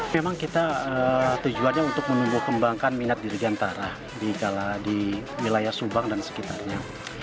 memang kita tujuannya untuk menumbuh kembangkan minat dirgantara di wilayah subang dan sekitarnya